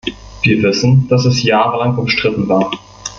Wir wissen, dass es jahrelang umstritten war.